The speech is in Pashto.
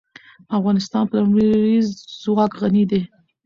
افغانستان په لمریز ځواک غني دی.